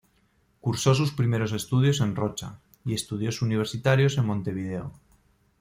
Cursó sus primeros estudios en Rocha, y estudios universitarios en Montevideo.